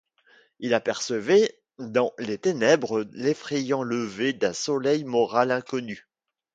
Il apercevait dans les ténèbres l'effrayant lever d'un soleil moral inconnu.